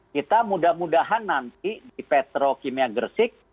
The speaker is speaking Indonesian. kita mudah mudahan nanti di petro kimia gersik